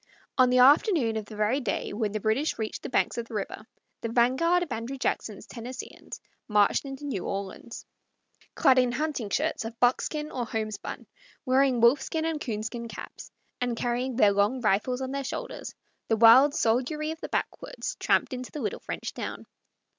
On the afternoon of the very day when the British reached the banks of the river the vanguard of Andrew Jackson's Tennesseeans marched into New Orleans. Clad in hunting shirts of buckskin or homespun, wearing wolfskin and coonskin caps, and carrying their long rifles on their shoulders, the wild soldiery of the backwoods tramped into the little French town.